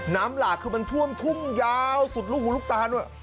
หลากคือมันท่วมทุ่มยาวสุดลูกหูลูกตาด้วย